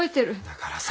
だからさ。